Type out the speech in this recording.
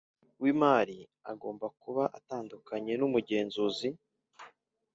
W imari agomba kuba atandukanye n umugenzuzi